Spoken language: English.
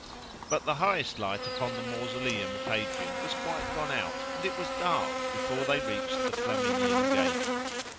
But the highest light upon the mausoleum of Hadrian was quite gone out, and it was dark, before they reached the Flaminian Gate.